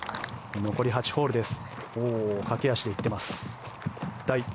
残り８ホールです。